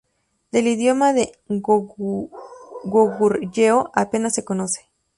Del idioma de Goguryeo apenas se conoce.